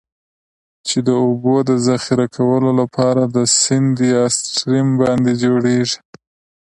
چې د اوبو د ذخیره کولو لپاره د سیند یا Stream باندی جوړیږي.